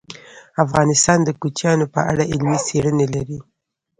افغانستان د کوچیانو په اړه علمي څېړنې لري.